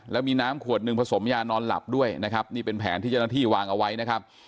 แล้วมีน้ำขวดหนึ่งผสมยานอนหลับด้วยนะครับนี่เป็นแผนที่เจ้าหน้าที่วางเอาไว้นะครับ